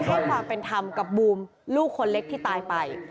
ให้ความเป็นธรรมกับบูมลูกคนเล็กที่ตายไป